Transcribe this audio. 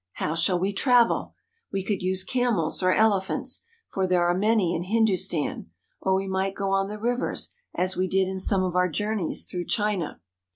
How shall we travel ? We could use camels or elephants, for there are many in Hindustan ; or we might go on the rivers, as we did in some of our journeys through China.